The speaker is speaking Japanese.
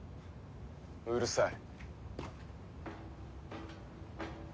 うるさい。